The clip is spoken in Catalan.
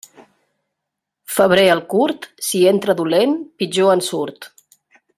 Febrer el curt, si entra dolent, pitjor en surt.